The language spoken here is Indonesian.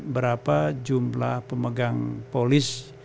berapa jumlah pemegang polis